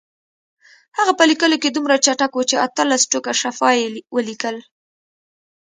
هغه په لیکلو کې دومره چټک و چې اتلس ټوکه شفا یې ولیکل.